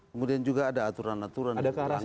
kemudian juga ada aturan aturan